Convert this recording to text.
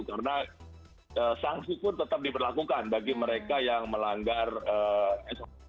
karena sanksi pun tetap diberlakukan bagi mereka yang melanggar sop